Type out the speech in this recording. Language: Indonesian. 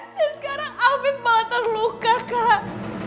dan sekarang afif malah terluka kak